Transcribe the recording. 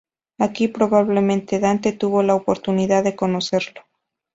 Aquí probablemente Dante tuvo la oportunidad de conocerlo.